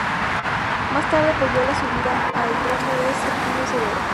Más tarde, apoyó la subida al trono de Septimio Severo.